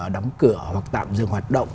đắm cửa hoặc tạm dừng hoạt động